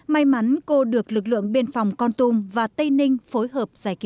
may mắn cô được lực lượng biên phòng con tum và tây ninh phối hợp giải cứu